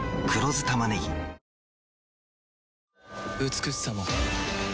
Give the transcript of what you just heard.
美しさも